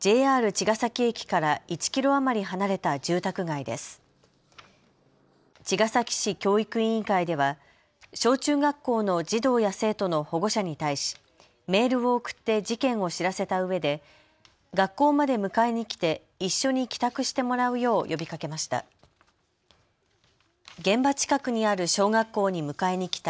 茅ヶ崎市教育委員会では小中学校の児童や生徒の保護者に対しメールを送って事件を知らせたうえで学校まで迎えに来て一緒に帰宅してもらうよう呼びかけました。